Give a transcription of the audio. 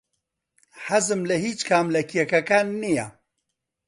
حەزم لە هیچ کام لە کێکەکان نییە.